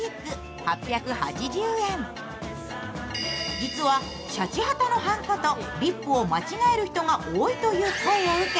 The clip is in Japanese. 実はシャチハタのはんことリップを間違える人が多いという声を受け